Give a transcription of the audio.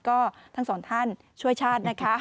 ก็ทั้งสองท่านช่วยชาตินะคะ